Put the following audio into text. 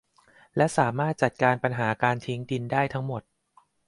และสามารถจัดการปัญหาการทิ้งดินได้ทั้งหมด